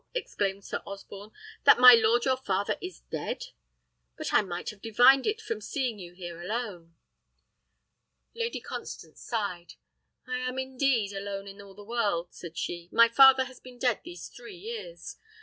exclaimed Sir Osborne, "that my lord your father is dead? But I might have divined it from seeing you here alone." Lady Constance sighed. "I am indeed alone in all the world," said she. "My father has been dead these three years.